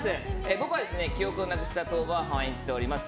僕は記憶をなくした逃亡犯を演じています。